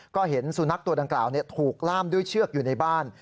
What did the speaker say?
ก็เห็นสุนัขตัวดังกล่าวถูกล่ามด้วยเชือกอยู่ในบ้าน